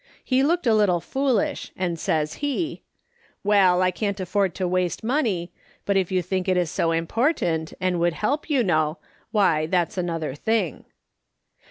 He looked a little foolish, and says he :"' Well, I can't afford to waste money, but if you think it is so important, and would help, you know, why, that's another thing.'